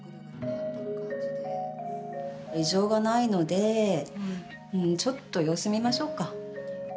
異常がないのでちょっと様子見ましょうか。